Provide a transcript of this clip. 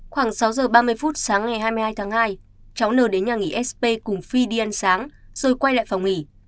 khoảng sáu giờ ba mươi phút sáng ngày hai mươi hai tháng hai cháu n đến nhà nghỉ sp cùng phi đi ăn sáng rồi quay lại phòng nghỉ